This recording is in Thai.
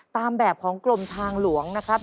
ตามแบบของกรมทางหลวงนะครับ